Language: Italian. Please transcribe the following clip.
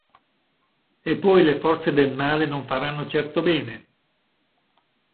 E poi le forze del male non faranno certo bene!